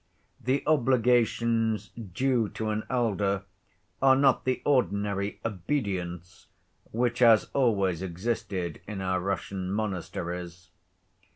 The obligations due to an elder are not the ordinary "obedience" which has always existed in our Russian monasteries.